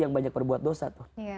yang banyak berbuat dosa tuh